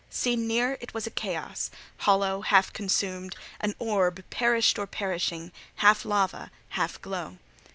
Seen near, it was a chaos—hollow, half consumed: an orb perished or perishing—half lava, half glow.